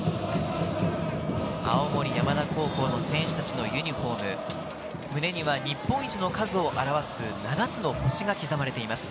青森山田高校の選手たちのユニホーム、胸には日本一の数を表す７つの星が刻まれています。